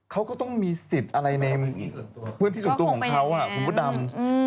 เขาก็ต้องมีสิทธิ์อะไรในเพื่อนที่สัตวุของเขาอ่ะผมก็ดำ